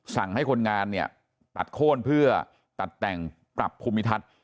สั่งให้คนงานเนี่ยตัดโค้นเพื่อตัดแต่งปรับภูมิทัศน์